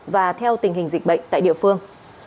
và theo tình hình dịch bệnh tại địa phương